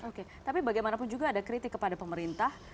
oke tapi bagaimanapun juga ada kritik kepada pemerintah